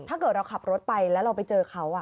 ถ้าเกิดเราขับรถไปแล้วเราไปเจอเขา